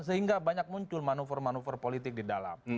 sehingga banyak muncul manuver manuver politik di dalam